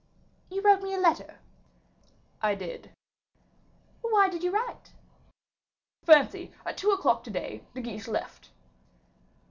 "You wrote me a letter?" "I did." "Why did you write?" "Fancy, at two o'clock to day, De Guiche left."